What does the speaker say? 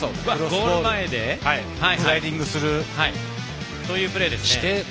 ゴール前でスライディングするプレーですね。